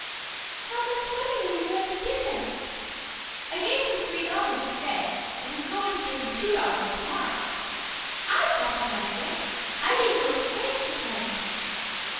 "How much money were you going to give him?" "I gave him three dollars to day, and was goin' to give him two dollars to morrow." "I've got the money, Dick. I didn't go to the bank this morning."